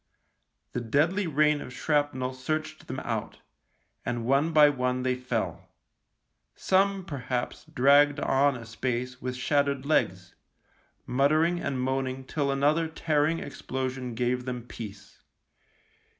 The deadly rain of shrapnel searched them out, and one by one they fell. Some, perhaps, dragged on a space with shattered legs, muttering and moaning till another tearing explosion gave them peace.